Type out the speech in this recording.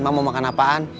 mak mau makan apaan